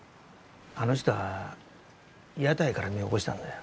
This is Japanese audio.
あの人は屋台から身を起こしたんだよ。